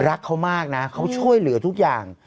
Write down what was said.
รักเขามากนะเขาช่วยเหลือทุกอย่าง